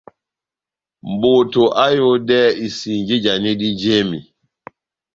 Moto aháyodɛ isinji ijanidi jémi.